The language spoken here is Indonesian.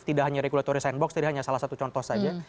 tidak hanya regulatory sandbox tidak hanya salah satu contoh saja